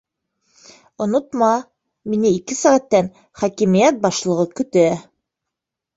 Онотма, мине ике сәғәттән хакимиәт башлығы көтә.